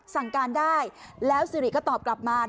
สั่งการได้แล้วสิริก็ตอบกลับมา